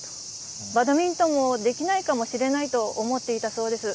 バドミントンをできないかもしれないと思っていたそうです。